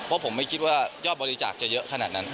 เพราะผมไม่คิดว่ายอดบริจาคจะเยอะขนาดนั้น